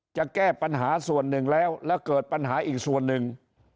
จะแก้ปัญหาส่วนหนึ่งแล้วแล้วเกิดปัญหาอีกส่วนหนึ่ง